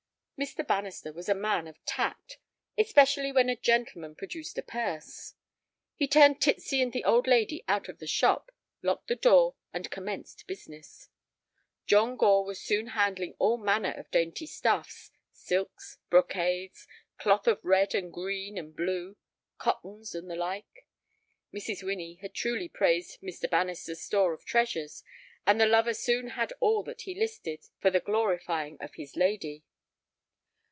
Mr. Bannister was a man of tact, especially when a gentleman produced a purse. He turned Titsy and the old lady out of the shop, locked the door, and commenced business. John Gore was soon handling all manner of dainty stuffs: silks, brocades, cloth of red and green and blue, cottons, and the like. Mrs. Winnie had truly praised Mr. Bannister's store of treasures, and the lover soon had all that he listed for the glorifying of his lady.